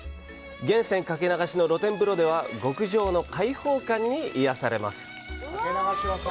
源泉かけ流しの露天風呂では極上の開放感に癒やされます。